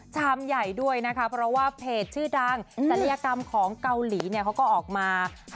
ชามใหญ่ด้วยนะคะเพราะว่าเพจชื่อดังศัลยกรรมของเกาหลีเนี่ยเขาก็ออกมา